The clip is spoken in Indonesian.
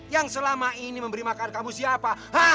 yang selama ini memberi makan kamu siapa